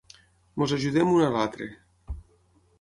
Ens ajudem un a l'altre.